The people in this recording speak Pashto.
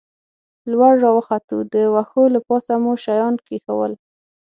لوړ را وختو، د وښو له پاسه مو شیان کېښوول.